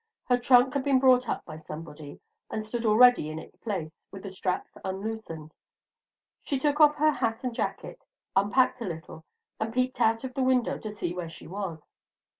Her trunk had been brought up by somebody, and stood already in its place, with the straps unloosened. She took off her hat and jacket, unpacked a little, and peeped out of the window to see where she was.